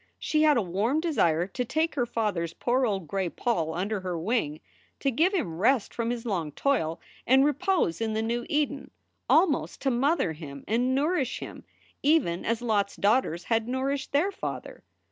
She had a warm desire to take her father s poor old gray poll under her wing, to give him rest from his long toil and repose in the new Eden, almost to mother him and nourish him even as Lot s daughters had nourished their father.